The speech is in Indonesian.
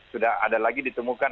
sudah ada lagi ditemukan